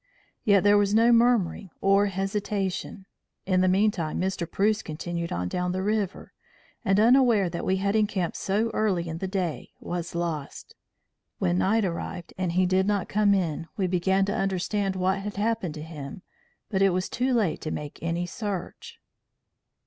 Yet there was no murmuring or hesitation. In the meantime Mr. Preuss continued on down the river, and unaware that we had encamped so early in the day, was lost. When night arrived and he did not come in, we began to understand what had happened to him; but it was too late to make any search.